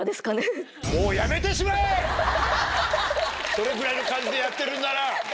それぐらいの感じでやってるんなら！